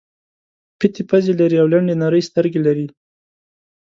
پېتې پزې لري او لنډې نرۍ سترګې لري.